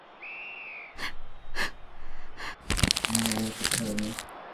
তবে নিরাপত্তার জন্য প্রতিবার লেনদেনের সময় গোপন পিন নম্বর ব্যবহার করতে হবে।